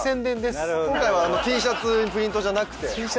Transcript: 今回はＴシャツにプリントじゃなくて。